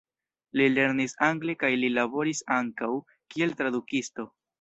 Li lernis angle kaj li laboris ankaŭ, kiel tradukisto.